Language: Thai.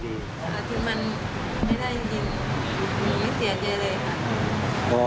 ถึงมันไม่ได้ยินไม่เสียใจเลยครับ